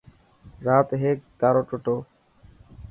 رات هيڪ تارو ٽٽو.